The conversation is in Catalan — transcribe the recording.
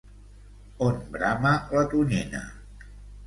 On brama la tonyina.